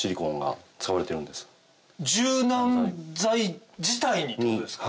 柔軟剤自体にってことですか？